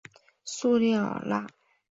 穆列尔讷。